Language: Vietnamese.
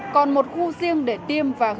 còn một khu riêng để tiêm và gửi